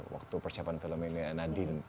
waktu persiapan film ini